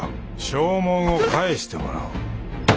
証文を返してもらおう。